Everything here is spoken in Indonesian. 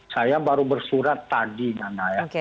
saya baru bersurat tadi nana ya